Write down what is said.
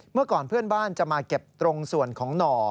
เมื่อก่อนเพื่อนบ้านจะมาเก็บตรงส่วนของหน่อ